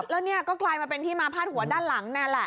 แล้วเนี่ยก็กลายมาเป็นที่มาพาดหัวด้านหลังนั่นแหละ